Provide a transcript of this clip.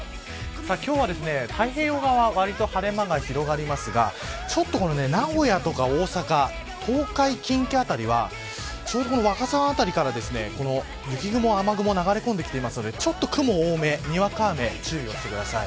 今日は太平洋側は割と晴れ間が広がりますが名古屋とか大阪東海、近畿辺りはちょうど若狭湾辺りから雨雲雪雲流れてきてるので雲多めにわか雨に注意してください。